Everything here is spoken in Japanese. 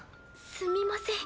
すみません。